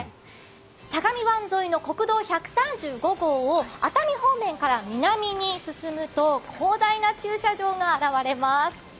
相模湾沿いの国道１３５号を熱海方面から南に進むと広大な駐車場が現れます。